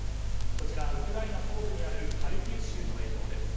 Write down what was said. こちらはウクライナ東部にあるハルキウ州の映像です。